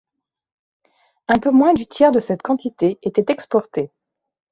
Un peu moins du tiers de cette quantité était exporté.